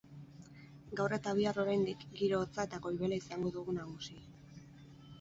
Gaur eta bihar oraindik giro hotza eta goibela izango dugu nagusi.